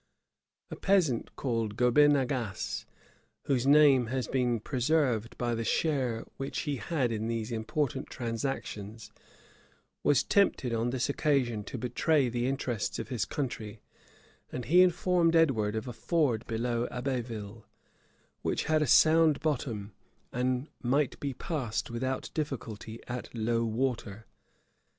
A peasant, called Gobin Agace, whose name has been preserved by the share which he had in these important transactions, was tempted on this occasion to betray the interests of his country; and he informed Edward of a ford below Abbeville, which had a sound bottom, and might be passed without difficulty at low water.